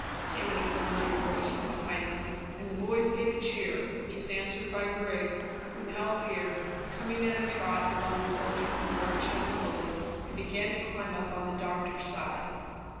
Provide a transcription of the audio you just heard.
came in a familiar voice from behind them, and the boys gave a cheer, which was answered by Griggs, who now appeared, coming at a trot along the gulch from the direction of the gully, and began to climb up on the doctor's side.